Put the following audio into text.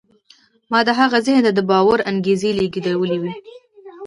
ما د هغه ذهن ته د باور انګېزه لېږدولې وه